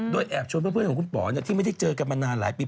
แอบชวนเพื่อนของคุณป๋อที่ไม่ได้เจอกันมานานหลายปี